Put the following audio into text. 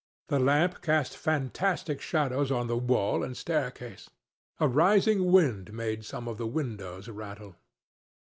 The lamp cast fantastic shadows on the wall and staircase. A rising wind made some of the windows rattle.